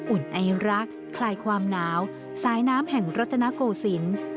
อุ่นไอรักคลายความหนาวสายน้ำแห่งรัฐนาโกศิลป์